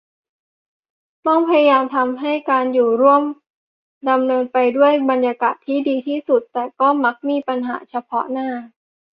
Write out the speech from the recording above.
ต้องพยายามทำให้การอยู่ร่วมดำเนินไปด้วยบรรยากาศที่ดีที่สุด แต่ก็มักมีปัญหาเฉพาะหน้า